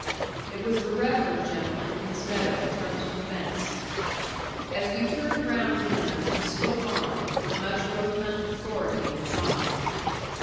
It was the reverend gentleman in his meadow, come to the fence. As we turned round to him he spoke on, with much rotund authority in his eye.